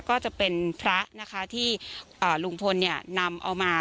ก็จะเป็นพระนะคะที่ลุงพลเนี่ยนำเอามา